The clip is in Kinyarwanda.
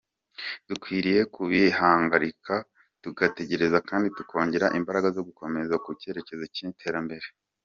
Dukwiriye kubihagarika, tugatekereza kandi tukongera imbaraga zo gukomeza ku cyerekezo cy’iterambere.